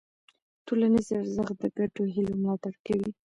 ټولنیز ارزښت د ګډو هيلو ملاتړ کوي.